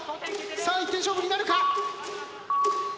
さあ１点勝負になるか？